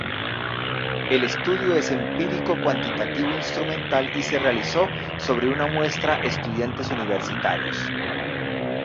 El estudio es empírico cuantitativo instrumental y se realizó sobre una muestra estudiantes universitarios.